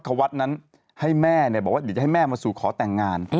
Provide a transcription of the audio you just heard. พระวัตตินั้นให้แม่เนี่ยบอกว่าอยากให้แม่มาสู่ขอแต่งงาน